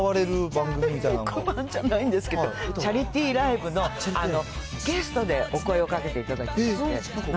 歌、特番じゃないんですけど、チャリティーライブのゲストで、お声をかけていただいて。